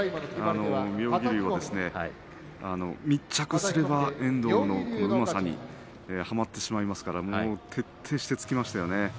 妙義龍も密着すれば遠藤のうまさにはまってしまいますから徹底して突きましたよね。